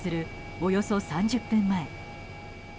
およそ３０分前。